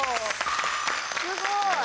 すごい！